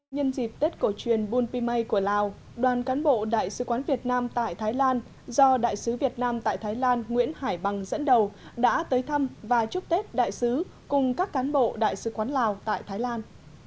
nhân dịp tết cổ truyền bun pimay của lào đoàn cán bộ đại sứ quán việt nam tại thái lan do đại sứ việt nam tại thái lan nguyễn hải bằng dẫn đầu đã tới thăm và chúc tết đại sứ cùng các cán bộ đại sứ quán lào tại thái lan